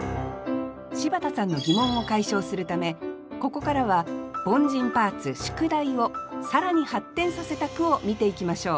柴田さんの疑問を解消するためここからは凡人パーツ「宿題」をさらに発展させた句を見ていきましょう